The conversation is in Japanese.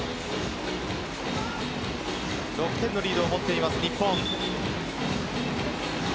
６点のリードを持っています日本。